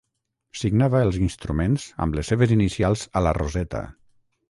Signava els instruments amb les seves inicials a la roseta.